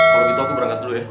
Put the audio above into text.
kalau gitu aku berangkat dulu ya